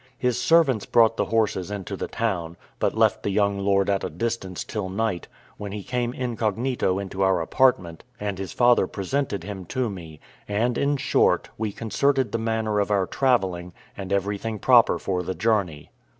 His servants brought the horses into the town, but left the young lord at a distance till night, when he came incognito into our apartment, and his father presented him to me; and, in short, we concerted the manner of our travelling, and everything proper for the journey.